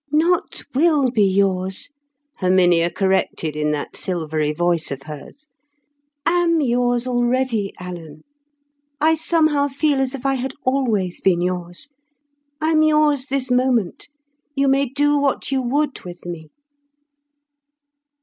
"Not will be yours," Herminia corrected in that silvery voice of hers. "Am yours already, Alan. I somehow feel as if I had always been yours. I am yours this moment. You may do what you would with me."